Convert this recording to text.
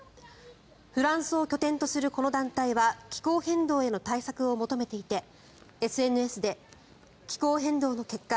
フランスを拠点とするこの団体は気候変動への対策を求めていてＳＮＳで気候変動の結果